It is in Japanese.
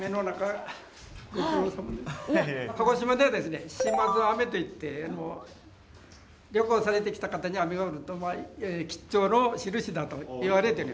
鹿児島ではですね島津雨といって旅行されてきた方に雨が降ると吉兆のしるしだといわれてる。